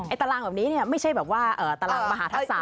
ไอตารางแบบนี้เนี่ยไม่ใช่แบบว่าตารางมหาศาสตร์